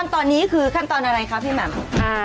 ตอนนี้คือขั้นตอนอะไรคะพี่แหม่ม